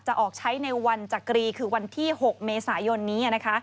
ออกใช้ในวันจักรีคือวันที่๖เมษายนนี้นะคะ